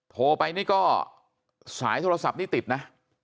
โทรไปนี่ก็สายโทรศัพท์นี่ติดนะ